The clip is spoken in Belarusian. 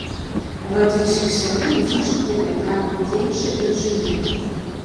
Нарадзіўся ў сям'і музычнага і тэатральнага дзеяча і інжынера.